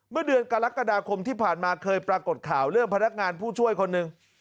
เมื่อเดือนกรกฎาคมที่ผ่านมาเคยปรากฏข่าวเรื่องพนักงานผู้ช่วยคนหนึ่ง